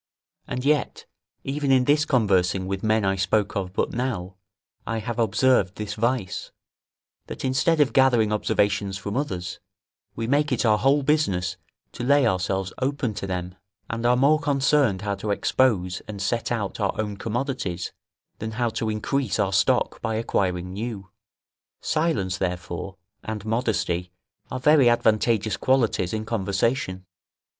And yet, even in this conversing with men I spoke of but now, I have observed this vice, that instead of gathering observations from others, we make it our whole business to lay ourselves open to them, and are more concerned how to expose and set out our own commodities, than how to increase our stock by acquiring new. Silence, therefore, and modesty are very advantageous qualities in conversation.